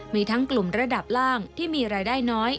มีทั้งกลุ่มระดับล่างที่มีรายได้น้อย